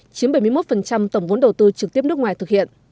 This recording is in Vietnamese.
chiếm bảy mươi một tổng vốn đầu tư trực tiếp nước ngoài thực hiện